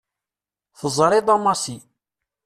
Teẓriḍ a Massi.